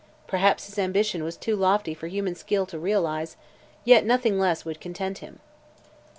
Perhaps his ambition was too lofty for human skill to realize, yet nothing less would content him."